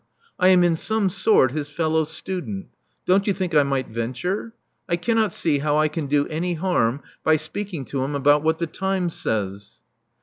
I am in some sort his fellow student. Don't you think I might venture? I cannot see how I can do any harm by speaking to him about what the Times says.